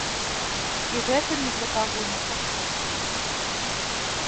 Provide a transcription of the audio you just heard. І гэта ні для каго не сакрэт.